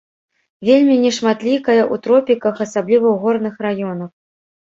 Вельмі нешматлікая ў тропіках, асабліва ў горных раёнах.